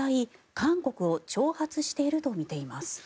韓国を挑発しているとみています。